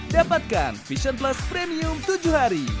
dapatkan vision plus premium tujuh hari